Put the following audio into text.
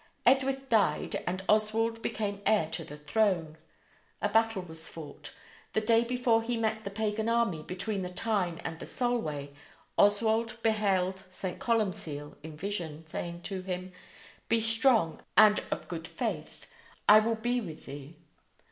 Edwith died and Oswald became heir to the throne. A battle was fought. The day before he met the pagan army, between the Tyne and the Solway, Oswald beheld St. Columcille in vision saying to him: "Be strong and of good faith; I will be with thee."